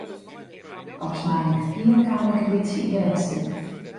Pas nei in kertier kaam ik in bytsje yn de wedstriid.